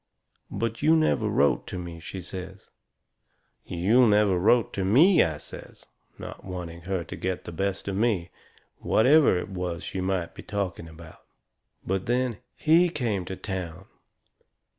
"But you never wrote to me," she says. "You never wrote to me," I says, not wanting her to get the best of me, whatever it was she might be talking about. "And then HE came to town!